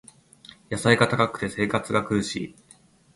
野菜が高くて生活が苦しい